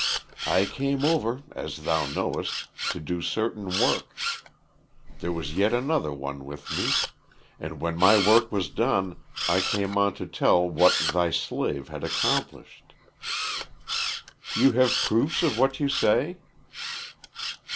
"I came over, as thou knowest, to do certain work. There was yet another one with me. And when my work was done I came on to tell what thy slave had accomplished." "You have proofs of what you say?"